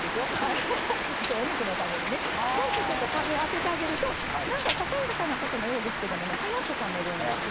お肉のためにこうして風を当ててあげるとささやかなことのようですけど早く冷めるんですよ。